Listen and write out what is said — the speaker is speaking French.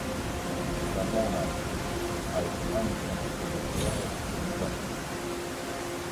Lamorna Birch a été un des principaux acteurs de la colonie d'artiste.